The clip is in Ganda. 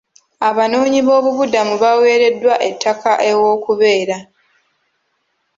Abanoonyiboobubudamu baaweereddwa ettaka ew'okubeera.